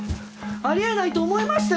あり得ないと思いましたよ